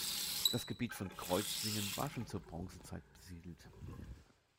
Das Gebiet von Kreuzlingen war schon zur Bronzezeit besiedelt.